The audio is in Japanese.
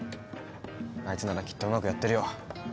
あいつならきっとうまくやってるよ。